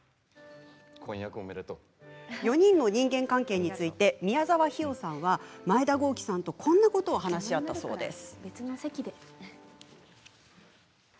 ４人の人間関係について宮沢氷魚さんは前田公輝さんとこんなことを話し合ったそうです。